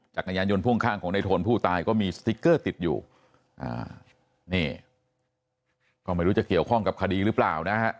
จักรยานยนต์พ่วงข้างของในโทนผู้ตายก็มีสติ๊กเกอร์ติดอยู่อ่านี่ก็ไม่รู้จะเกี่ยวข้องกับคดีหรือเปล่านะฮะ